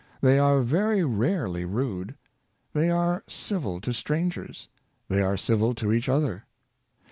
They are very rarely rude. They are civil to strangers. They are civil to each other.